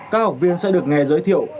các học viên sẽ được nghe giới thiệu